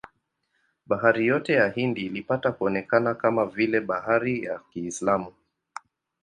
Bahari yote ya Hindi ilipata kuonekana kama vile bahari ya Kiislamu.